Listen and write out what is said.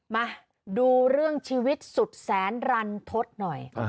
มาดูเรื่องชีวิตสุดแสนรันทศหน่อย